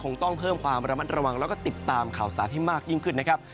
คงต้องเพิ่มความระมัดระวังแล้วก็ติดตามข่าวสารให้มากยิ่งขึ้นนะครับ